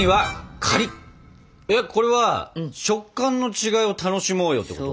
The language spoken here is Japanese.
えっこれは食感の違いを楽しもうよってこと？